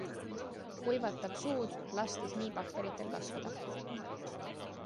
Kuivatab suud, lastes nii bakteritel kasvada.